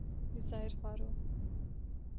جزائر فارو